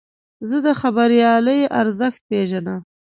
زه د خبریالۍ ارزښت پېژنم.